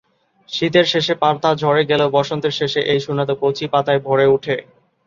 শীতের শেষে পাতা ঝরে গেলেও বসন্তের শেষে এই শূন্যতা কচি পাতায় ভরে উঠে।